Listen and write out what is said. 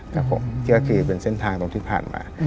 คือเป็นเส้นทางตรงที่ผ่านมา